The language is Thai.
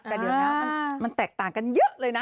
แต่เดี๋ยวนะมันแตกต่างกันเยอะเลยนะ